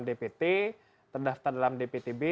dpt terdaftar dalam dptb